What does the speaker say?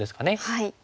はい。